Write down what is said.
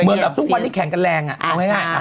ทุกวันที่แข่งกันแรงอะเอาง่าย